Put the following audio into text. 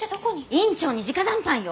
院長に直談判よ！